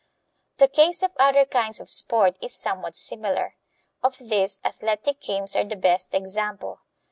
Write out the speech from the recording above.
The case of other kinds of sport is somewhat similar. Of these, athletic games are the best example.